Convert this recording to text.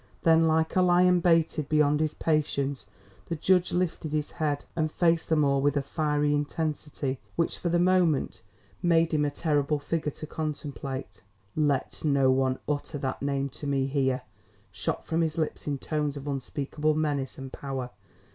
Then like a lion baited beyond his patience the judge lifted his head and faced them all with a fiery intensity which for the moment made him a terrible figure to contemplate. "Let no one utter that name to me here!" shot from his lips in tones of unspeakable menace and power.